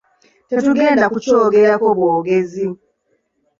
Tetugenda ku kyogerako bwogezi.